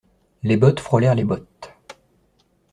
Les bottes frôlèrent les bottes.